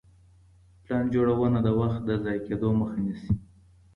پلان جوړونه د وخت د ضايع کيدو مخه نيسي.